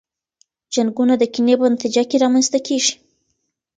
جنګونه د کینې په نتیجه کي رامنځته کیږي.